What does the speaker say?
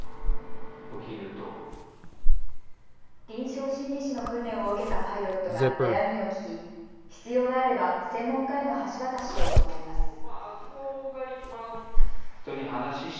臨床心理士の訓練を受けたパイロットが悩みを聞き必要があれば専門家への橋渡しを行います。